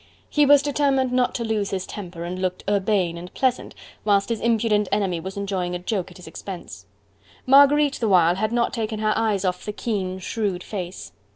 He was determined not to lose his temper and looked urbane and pleasant, whilst his impudent enemy was enjoying a joke at his expense. Marguerite the while had not taken her eyes off the keen, shrewd face.